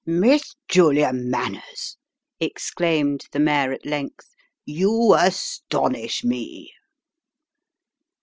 " Miss Julia Manners !" exclaimed the mayor at length, " you astonish me."